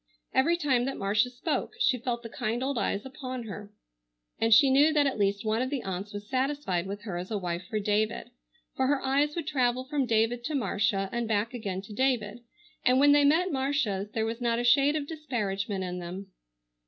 Every time that Marcia spoke she felt the kind old eyes upon her, and she knew that at least one of the aunts was satisfied with her as a wife for David, for her eyes would travel from David to Marcia and back again to David, and when they met Marcia's there was not a shade of disparagement in them.